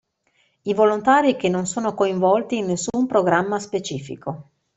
I volontari che non sono coinvolti in nessun programma specifico.